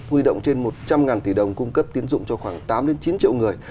huy động trên một trăm linh tỷ đồng cung cấp tiến dụng cho khoảng tám chín triệu người